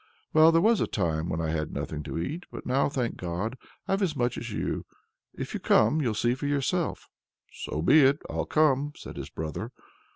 "Well, there was a time when I had nothing to eat, but now, thank God! I've as much as you. If you come, you'll see for yourself." "So be it! I'll come," said his brother.